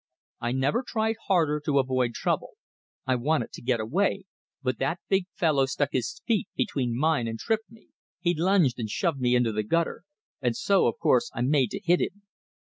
I never tried harder to avoid trouble; I wanted to get away, but that big fellow stuck his feet between mine and tripped me, he lunged and shoved me into the gutter, and so, of course, I made to hit him.